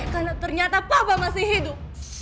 karena ternyata papa masih hidup